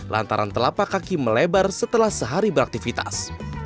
lantaran telapak kaki melebar setelah sehari beraktivitas